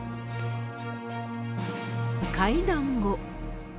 会談後。